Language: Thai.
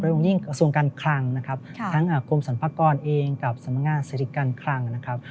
เรายุ่งที่ส่วนการครังนะครับทั้งกรมสรรพากรเองกับสมังงานเศรษฐการคลังนะครับ